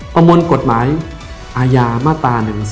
ประมวลกฎหมายอาญามาตรา๑๔